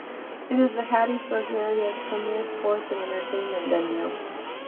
It is the Hattiesburg area's premier sports and entertainment venue.